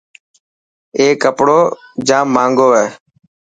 اي ڪپڙو جاهنگو هي.